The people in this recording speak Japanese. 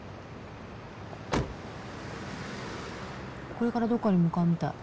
これからどっかに向かうみたい。